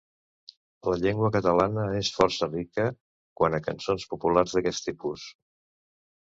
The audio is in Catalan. La llengua catalana és força rica quant a cançons populars d'aquest tipus.